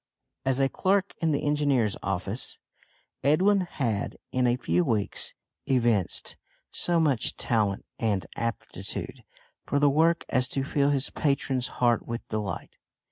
As a clerk in the Engineers' office, Edwin had, in a few weeks, evinced so much talent and aptitude for the work as to fill his patron's heart with delight.